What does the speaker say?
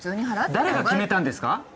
誰が決めたんですか！？